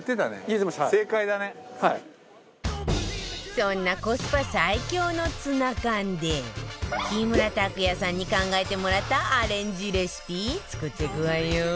そんなコスパ最強のツナ缶で木村拓哉さんに考えてもらったアレンジレシピ作っていくわよ